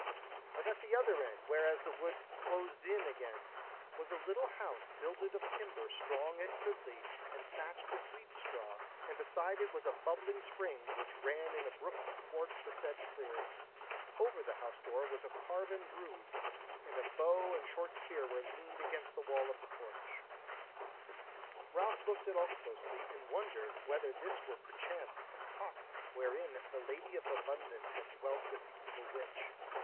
But at the further end, whereas the wood closed in again, was a little house builded of timber, strong and goodly, and thatched with wheat straw; and beside it was a bubbling spring which ran in a brook athwart the said clearing; over the house door was a carven rood, and a bow and short spear were leaned against the wall of the porch. Ralph looked at all closely, and wondered whether this were perchance the cot wherein the Lady of Abundance had dwelt with the evil witch.